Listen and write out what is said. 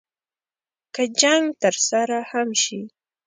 که جنګ ترسره هم شي.